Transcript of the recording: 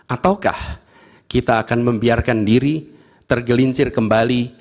ataukah kita akan membiarkan diri tergelincir kembali